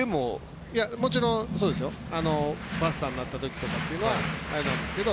もちろん、バスターになったときとかというのはあれなんですけど。